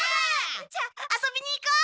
じゃあ遊びに行こう！